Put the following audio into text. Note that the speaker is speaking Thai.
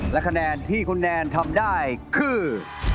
และคะแนนที่คุณแนนทำได้คือ